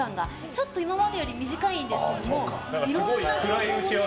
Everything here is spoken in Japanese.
ちょっと今までよりも短いんですけども。